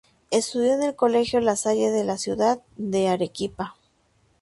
Estudio en el colegio La Salle de la ciudad de Arequipa.